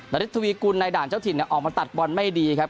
ฤทธวีกุลในด่านเจ้าถิ่นออกมาตัดบอลไม่ดีครับ